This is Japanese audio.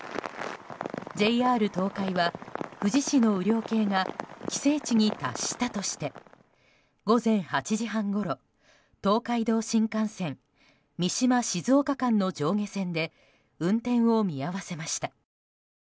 ＪＲ東海は、富士市の雨量計が規制値に達したとして午前８時半ごろ、東海道新幹線三島静岡間の上下線で運転を見合わせました。